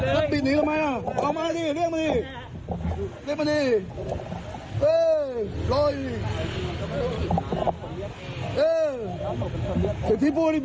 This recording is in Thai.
แล้วก็แบบเฟ้ยเถอะนะพี่